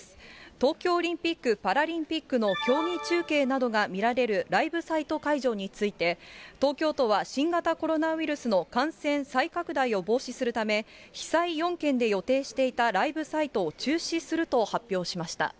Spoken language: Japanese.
東京オリンピック・パラリンピックの競技中継などが見られるライブサイト会場について、東京都は新型コロナウイルスの感染再拡大を防止するため、被災４県で予定していたライブサイトを中止すると発表しました。